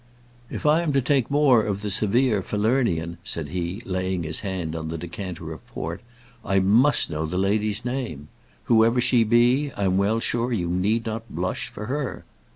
"If I am to take more of the severe Falernian," said he, laying his hand on the decanter of port, "I must know the lady's name. Whoever she be, I'm well sure you need not blush for her.